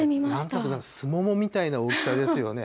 すももみたいな大きさですよね。